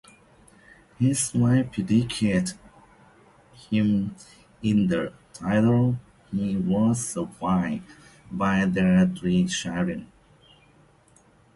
His wife predeceased him in the Thirties; he was survived by their three children.